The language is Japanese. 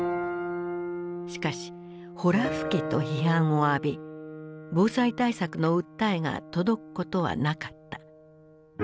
しかしほら吹きと批判を浴び防災対策の訴えが届くことはなかった。